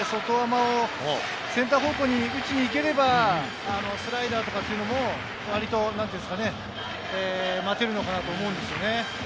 センター方向に打ちにいければスライダーも割と待てるのかなと思いますね。